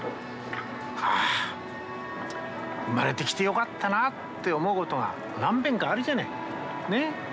「あ生まれてきてよかったな」って思うことが何べんかあるじゃない。ね？